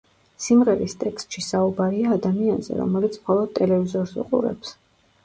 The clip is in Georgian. სიმღერის ტექსტში საუბარია ადამიანზე, რომელიც მხოლოდ ტელევიზორს უყურებს.